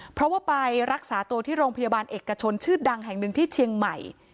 เพราะว่าไปรักษาตัวที่โรงพยาบาลเอกชนชื่อดังแห่งหนึ่งที่เชียงใหม่